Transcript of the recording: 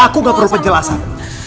aku gak perlu penjelasan